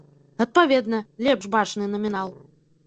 Адпаведна, лепш бачны намінал.